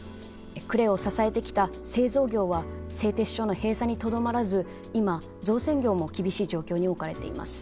呉を支えてきた製造業は製鉄所の閉鎖にとどまらず今造船業も厳しい状況に置かれています。